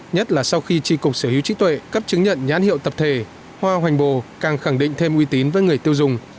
nhất là sau khi tri cục sở hữu trí tuệ cấp chứng nhận nhãn hiệu tập thể hoa hoành bồ càng khẳng định thêm uy tín với người tiêu dùng